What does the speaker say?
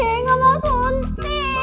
enggak mau suntik